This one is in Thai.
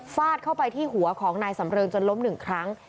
ฟาดเข้าไปที่หัวของนายสำเริงจนล้มหนึ่งครั้ง